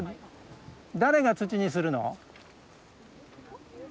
誰が土にするの？